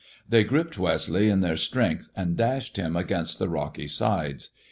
They gripped Westleigh in their strength ani dashed him against the rocky sides.